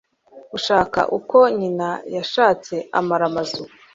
ushaka uko nyina yashatse amara amazu